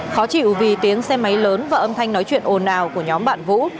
khó chịu vì tiếng xe máy lớn và âm thanh nói chuyện ồn ào của nhóm bạn vũ